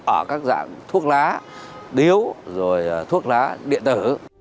ở các dạng thuốc lá điếu rồi thuốc lá điện tử